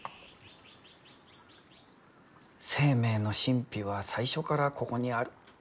生命の神秘は最初からここにある。